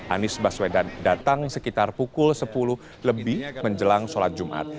anies baswedan datang sekitar pukul sepuluh lebih menjelang sholat jumat